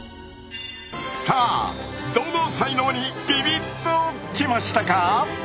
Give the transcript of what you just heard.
さあどの才能にビビッときましたか？